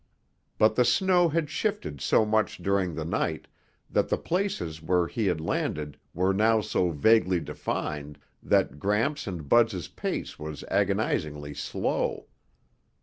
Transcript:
But the snow had shifted so much during the night that the places where he had landed were now so vaguely defined that Gramps and Bud's pace was agonizingly slow.